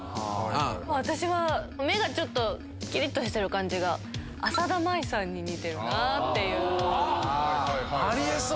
私は、目がちょっときりっとしてる感じが、浅田舞さんに似てるなっていありえそう。